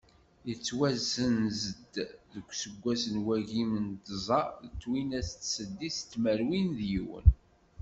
Yettwasenz-d deg useggas n wagim d tẓa twinas d seddis tmerwin d yiwen.